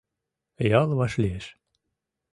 Ял вашлиеш